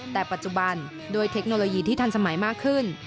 แต่ปัจจุบันด้วยเทคโนโลยีที่ทันสมัยมากขึ้น